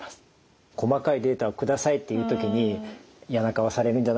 細かいデータを下さいっていう時に嫌な顔されるんじゃないかな